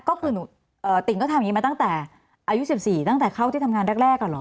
ก็คือติ่งก็ทำอย่างนี้มาตั้งแต่อายุ๑๔ตั้งแต่เข้าที่ทำงานแรกเหรอ